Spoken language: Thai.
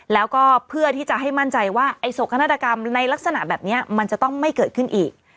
แล้วก็เพื่อที่จะให้มั่นใจว่าไอ้โศกนาฏกรรมในลักษณะแบบนี้มันจะต้องไม่เกิดขึ้นอีก